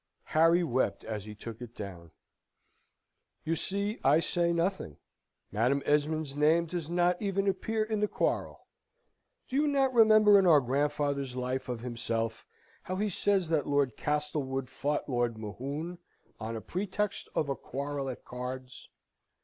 Harry wept as he took it down. "You see I say nothing; Madame Esmond's name does not even appear in the quarrel. Do you not remember in our grandfather's life of himself, how he says that Lord Castlewood fought Lord Mohun on a pretext of a quarrel at cards?